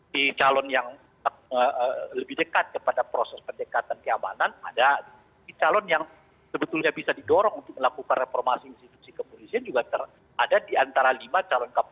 di calon yang lebih dekat kepada proses pendekatan keamanan ada di calon yang sebetulnya bisa didorong untuk melakukan reformasi institusi kepolisian juga terada diantara lima calon keamanan